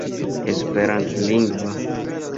esperantlingva